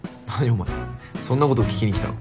お前そんなこと聞きにきたの？